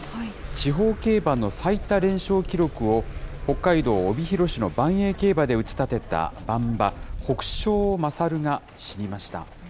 地方競馬の最多連勝記録を、北海道帯広市のばんえい競馬で打ち立てたばん馬、ホクショウマサルが死にました。